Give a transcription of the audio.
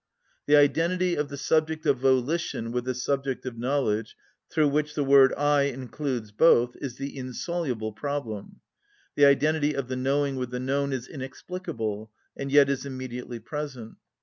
The identity of the subject of volition with the subject of knowledge, through which the word "I" includes both, is the insoluble problem. The identity of the knowing with the known is inexplicable, and yet is immediately present.